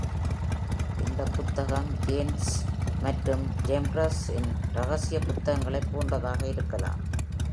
இந்தப் புத்தகம் Jannes மற்றும் Jambres இன் ரகசிய புத்தகங்களைப் போன்றதாக இருக்கலாம்.